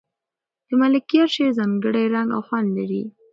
د ملکیار شعر ځانګړی رنګ او خوند لري.